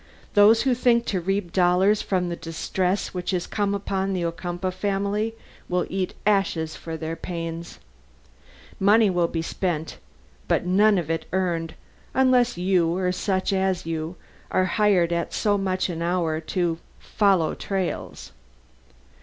"Those who think to reap dollars from the distress which has come upon the Ocumpaugh family will eat ashes for their pains. Money will be spent, but none of it earned, unless you, or such as you, are hired at so much an hour to follow trails."